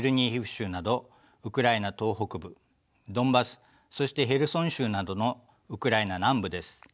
州などウクライナ東北部ドンバスそしてヘルソン州などのウクライナ南部です。